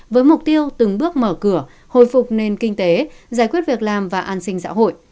với mục tiêu từng bước mở cửa hồi phục nền kinh tế giải quyết việc làm và an sinh xã hội